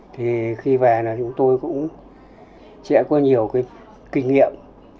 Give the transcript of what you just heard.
thì khi về là chúng tôi cũng sẽ có nhiều cái kinh nghiệm